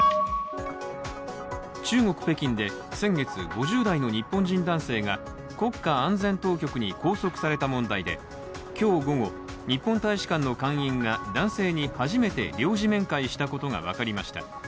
中国・北京で先月、５０代の日本人男性が国家安全当局に拘束された問題で、今日午後、日本大使館の館員が男性に初めて領事面会したことが分かりました。